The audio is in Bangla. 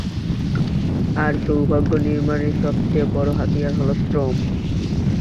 আর সৌভাগ্য নির্মাণের সবচেয়ে বড় হাতিয়ার হলো শ্রম।